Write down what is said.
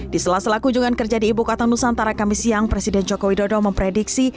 di sela sela kunjungan kerja di ibu kota nusantara kami siang presiden joko widodo memprediksi